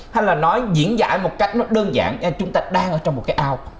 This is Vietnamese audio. hay là nói diễn giải một cách nó đơn giản chúng ta đang ở trong một cái ao